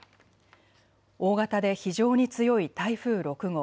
大型で非常に強い台風６号。